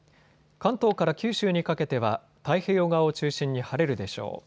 関東から九州にかけては太平洋側を中心に晴れるでしょう。